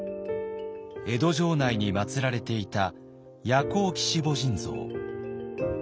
江戸城内にまつられていた夜光鬼子母神像。